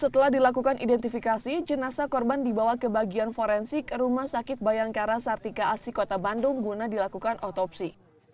setelah dilakukan identifikasi jenazah korban dibawa ke bagian forensik rumah sakit bayangkara sartika asi kota bandung guna dilakukan otopsi